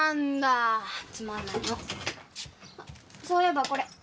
そういえばこれ。